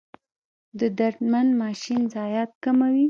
د درمند ماشین ضایعات کموي؟